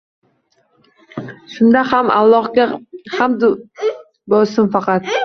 Shunda ham Allohga hamd bulsin faqat